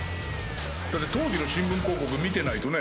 だって当時の新聞広告見てないとね。